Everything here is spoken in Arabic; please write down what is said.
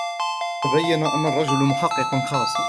تبين أنا الرجل محقق خاص.